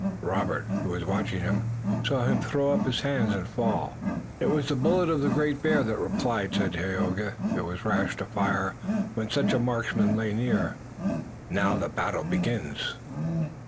Robert, who was watching him, saw him throw up his hands and fall. "It was the bullet of the Great Bear that replied," said Tayoga. "It was rash to fire when such a marksman lay near. Now the battle begins."